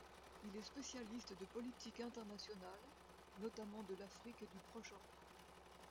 Il est spécialiste de politique internationale, notamment de l'Afrique et du Proche-Orient.